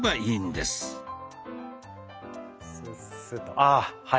ああはい。